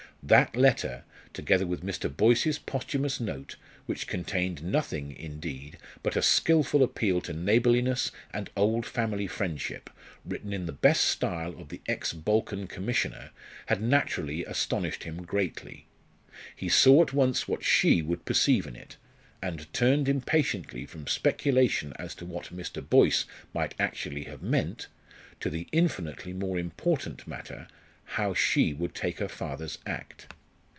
That letter, together with Mr. Boyce's posthumous note, which contained nothing, indeed, but a skilful appeal to neighbourliness and old family friendship, written in the best style of the ex Balkan Commissioner, had naturally astonished him greatly. He saw at once what she would perceive in it, and turned impatiently from speculation as to what Mr. Boyce might actually have meant, to the infinitely more important matter, how she would take her father's act.